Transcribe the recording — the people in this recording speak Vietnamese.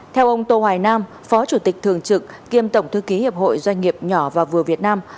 theo ông tô hoài nam phó chủ tịch thường trực kiêm tổng thư ký hiệp hội doanh nghiệp nhỏ và vừa việt nam